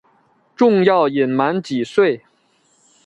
仲要隐瞒几多？